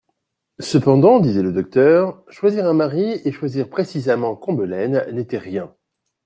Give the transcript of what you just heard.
Cependant, disait le docteur, choisir un mari et choisir précisément Combelaine n'était rien.